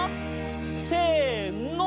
せの！